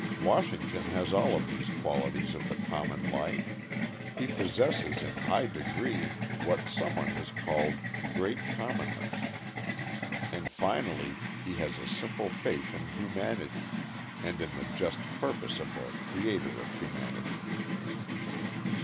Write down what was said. Washington has all of these qualities of the common life: he possesses in high degree what some one has called "great commonness." And finally he has a simple faith in humanity, and in the just purposes of the Creator of humanity.